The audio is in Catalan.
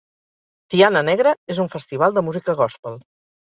Tiana Negra és un festival de música gòspel